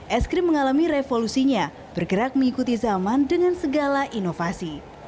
es krim mengalami revolusinya bergerak mengikuti zaman dengan segala inovasi